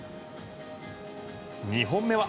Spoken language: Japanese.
２本目は。